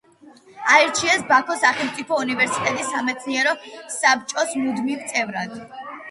აირჩიეს ბაქოს სახელმწიფო უნივერსიტეტის სამეცნიერო საბჭოს მუდმივ წევრად.